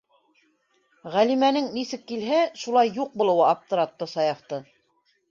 Ғәлимәнең нисек килһә, шулай юҡ булыуы аптыратты Саяфты.